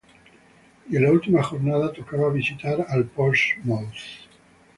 Y en la última jornada tocaba visitar al Portsmouth.